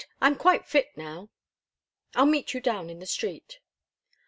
I'm quite fit now." "I'll meet you down in the street."